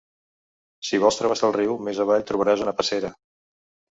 Si vols travessar el riu, més avall trobaràs una passera.